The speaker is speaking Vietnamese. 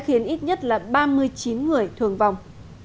ít nhất là ba mươi chín người thường vòng